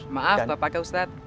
maaf bapak kau ustadz